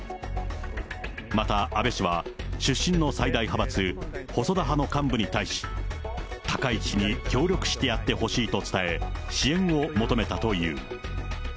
また安倍氏は、出身の最大派閥、細田派の幹部に対し、高市氏に協力してやってほしいと伝え、支援を求めたという。